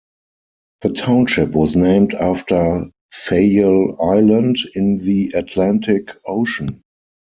The township was named after Fayal Island in the Atlantic Ocean.